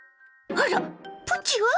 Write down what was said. あらプチは？